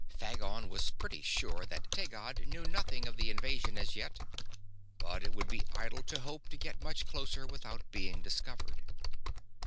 Phagon was pretty sure that Taggad knew nothing of the invasion as yet; but it would be idle to hope to get much closer without being discovered.